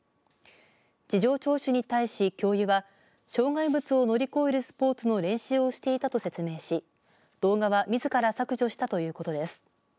事情聴取に対し教諭は障害物を乗り越えるスポーツの練習をしていたと説明し動画は、みずから削除したということです。